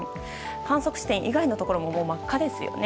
観測地点以外のところももう真っ赤ですよね。